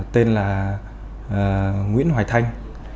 tên là nguyễn hoài thanh